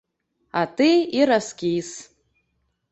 А ты і раскіс.